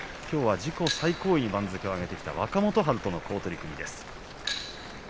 自己最高位に番付を上げてきた若元春との好取組です。